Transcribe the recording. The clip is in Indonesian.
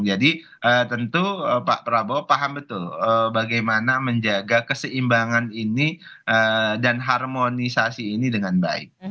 jadi tentu pak prabowo paham betul bagaimana menjaga keseimbangan ini dan harmonisasi ini dengan baik